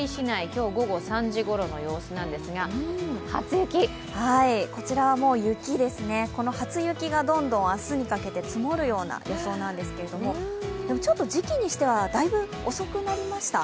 今日午後３時頃の様子なんですがこちらも雪ですね初雪がどんどん明日にかけて積もるような予想なんですがちょっと時期にしてはだいぶ遅くなりました。